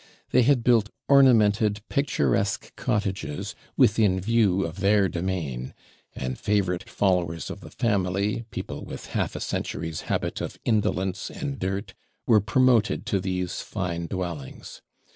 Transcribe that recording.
They had built ornamented, picturesque cottages, within view of their demesne; and favourite followers of the family, people with half a century's habit of indolence and dirt, were PROMOTED to these fine dwellings.